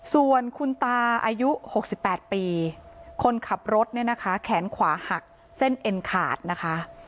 ส่วนคุณตาอายุ๖๘ปีคนขับรถเนี่ยนะคะแขนขวาหักเส้นเอ็นขาดนะคะ